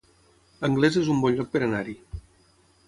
Anglès es un bon lloc per anar-hi